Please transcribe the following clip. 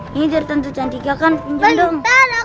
ini udah tentu cantik ya kan pinjem dong